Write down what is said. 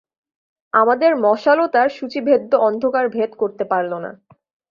আমাদের মশালও তার সূচিভেদ্য অন্ধকার ভেদ করতে পারল না।